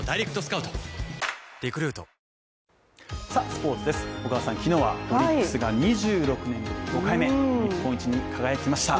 スポーツです、昨日はオリックスが２６年ぶり５回目日本一に輝きました。